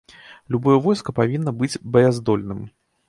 Любое войска павінна быць баяздольным.